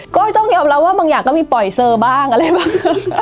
ก็ต้องยอมรับว่าบางอย่างก็มีปล่อยเซอร์บ้างอะไรบ้าง